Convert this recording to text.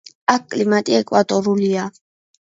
აქ კლიმატი ეკვატორულია.